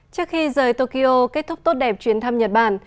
trước khi rời tokyo kết thúc tốt đẹp chuyến thăm nhật bản